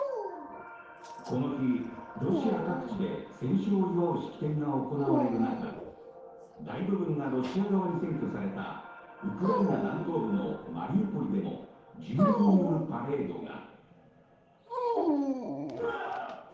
この日、ロシア各地で戦勝を祝う式典が行われている中大部分がロシア側に占拠されたウクライナ南東部のマリウポリでも住民によるパレードが。